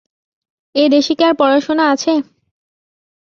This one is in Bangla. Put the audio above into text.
এই দেশে কি আর পড়াশোনা আছে?